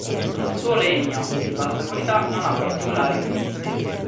Il suo legno, di bassa qualità, non ha particolari utilizzi.